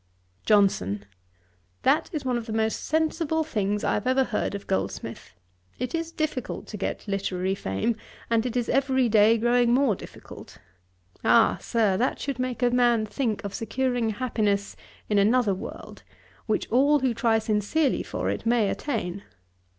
JOHNSON. 'That is one of the most sensible things I have ever heard of Goldsmith. It is difficult to get literary fame, and it is every day growing more difficult. Ah, Sir, that should make a man think of securing happiness in another world, which all who try sincerely for it may attain.